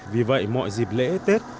vì vậy mọi dịp lễ tết